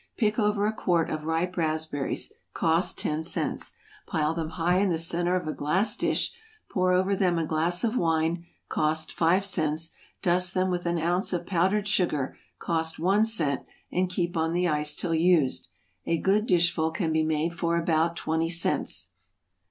= Pick over a quart of ripe raspberries, (cost ten cents,) pile them high in the centre of a glass dish, pour over them a glass of wine, (cost five cents,) dust them with an ounce of powdered sugar, (cost one cent,) and keep on the ice till used. A good dishful can be made for about twenty cents.